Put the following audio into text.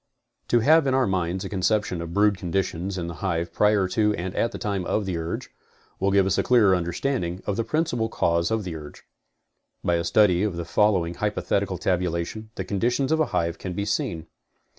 To have in our minds a conception of brood conditions in the hive prior to and at the time of the urge, will give us a clearer understanding of the principal cause of the urge. By.a study of the following hypothetical tabulation, the conditions of a hive can be seen.